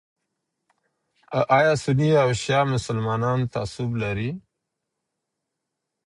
ایا سني او شیعه مسلمانان تعصب لري؟